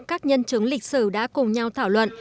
các nhân chứng lịch sử đã cùng nhau thảo luận